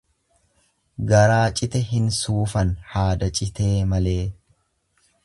Garaa cite hin suufan haada citee malee.